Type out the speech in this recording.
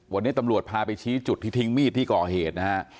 วันนี้ตำรวจพาไปชี้จุดที่ทิ้งมีดที่ก่อเหตุนะฮะ